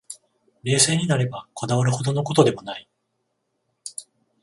冷静になれば、こだわるほどの事でもない